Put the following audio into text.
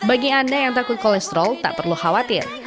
bagi anda yang takut kolesterol tak perlu khawatir